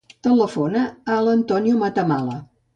Telefona a l'Antonio Matamala.